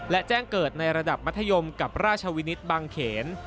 และแจ้งเกิดในระดับมัธยมกับราชวินิตบางเขน